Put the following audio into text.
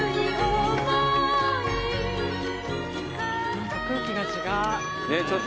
何か空気が違う。